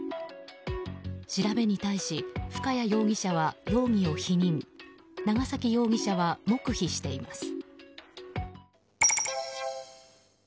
調べに対し深谷容疑者は容疑を否認長崎容疑者は黙秘しています。